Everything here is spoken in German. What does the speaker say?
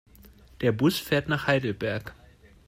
Der Bus fährt nach Heidelberg